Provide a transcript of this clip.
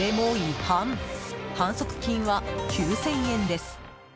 反則金は９０００円です。